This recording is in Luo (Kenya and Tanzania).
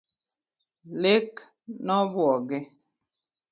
Lek no obuoge